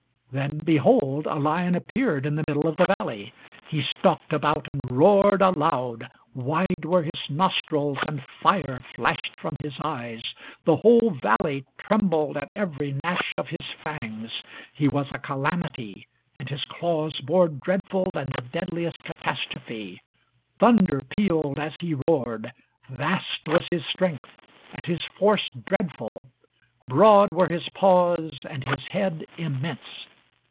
Then, behold a lion appeared in the middle of the valley; he stalked about and roared aloud; wide were his nostrils, and fire flashed from his eyes; the whole valley trembled at every gnash of his fangs he was a calamity, and his claws more dreadful than the deadliest catastrophe thunder pealed as he roared vast was his strength, and his force dreadful broad were his paws, and his head immense.